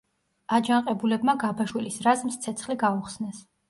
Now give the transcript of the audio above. აჯანყებულებმა გაბაშვილის რაზმს ცეცხლი გაუხსნეს.